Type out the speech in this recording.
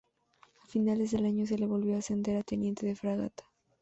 A finales del año se le volvió a ascender a Teniente de Fragata.